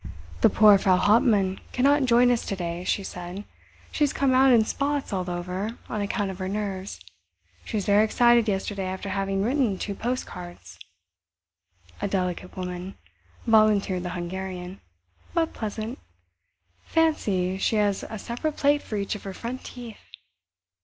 "The poor Frau Hauptmann cannot join us to day," she said; "she has come out in spots all over on account of her nerves. She was very excited yesterday after having written two post cards." "A delicate woman," volunteered the Hungarian, "but pleasant. Fancy, she has a separate plate for each of her front teeth!